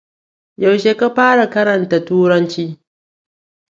Yaushe ka fara karantar Turanci?